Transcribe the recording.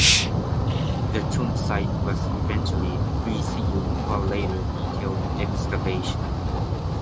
The tomb site was eventually resealed for later detailed excavation.